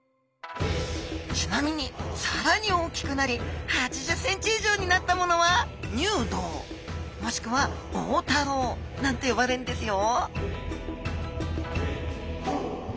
ちなみにさらに大きくなり８０センチ以上になったものは入道もしくは大太郎なんて呼ばれるんですよ